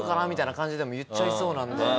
みたいな感じでも言っちゃいそうなんで。